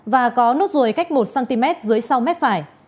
và có nốt ruồi cách một cm dưới sau mép phải